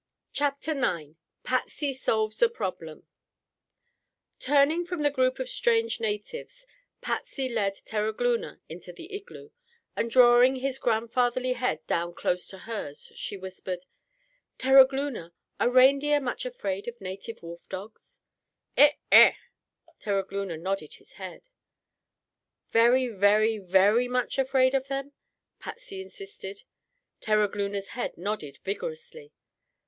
CHAPTER IX PATSY SOLVES A PROBLEM Turning from the group of strange natives, Patsy lead Terogloona into the igloo and drawing his grandfatherly head down close to hers, she whispered: "Terogloona, are reindeer much afraid of native wolf dogs?" "Eh eh!" Terogloona nodded his head. "Very, very, very much afraid of them?" Patsy insisted. Terogloona's head nodded vigorously.